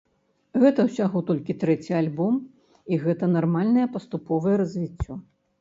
Гэта ўсяго толькі трэці альбом, і гэта нармальнае паступовае развіццё.